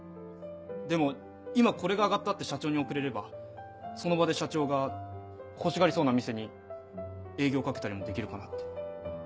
でも「今これが揚がった」って社長に送れればその場で社長が欲しがりそうな店に営業かけたりもできるかなって。